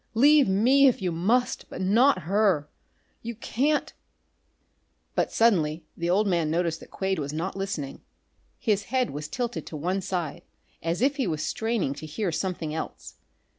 Leave me, if you must, but not her! You can't "But suddenly the old man noticed that Quade was not listening. His head was tilted to one side as if he was straining to hear something else.